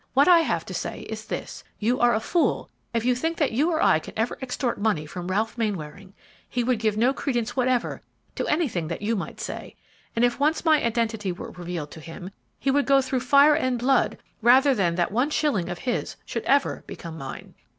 What I have to say is this: You are a fool if you think that you or I can ever extort money from Ralph Mainwaring. He would give no credence whatever to anything that you might say, and if once my identity were revealed to him, he would go through fire and blood rather than that one shilling of his should ever become mine."